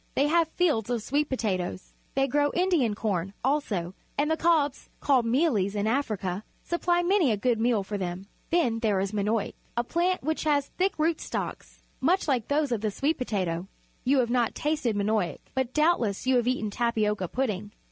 They have fields of sweet potatoes. They grow Indian corn, also, and the cobs, called mealies in Africa, supply many a good meal for them. Then there is manioc, a plant which has thick root stocks, much like those of the sweet potato. You have not tasted manioc, but doubtless you have eaten tapioca pudding.